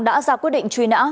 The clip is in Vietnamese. đã ra quyết định truy nã